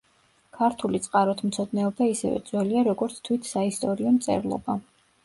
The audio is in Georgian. ქართული წყაროთმცოდნეობა ისევე ძველია, როგორც თვით საისტორიო მწერლობა.